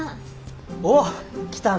おっ来たな。